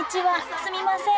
すみません。